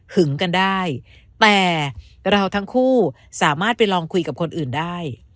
กันได้แต่เราทั้งคู่สามารถไปลองคุยกับคนอื่นได้